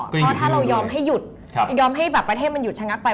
เพราะถ้าเรายอมให้ยุดแบบประเทศมันยุดชะนักไป